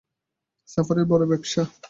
সাফারির বড় ব্যবসা।